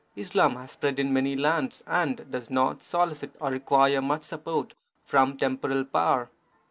Islam has spread in many lands, and does not solicit or require much support from temporal power.